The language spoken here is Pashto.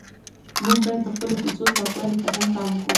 موږ باید د خپلو کوڅو پاکوالي ته هم پام وکړو.